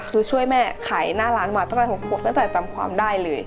คือช่วยแม่ขายหน้าร้านมาตั้งแต่๖ขวบตั้งแต่จำความได้เลย